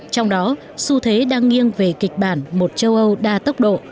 trong đó xu thế đang nghiêng về kịch bản một châu âu đa tốc độ